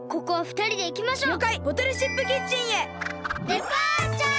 デパーチャー！